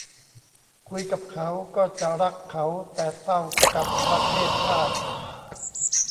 คุยกับเขา ก็จะรักเขา แต่เศร้ากับประเทศชาติ